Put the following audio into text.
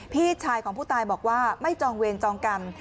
พี่ชายของผู้ตายบอกว่าไม่จองเวรจองกรรม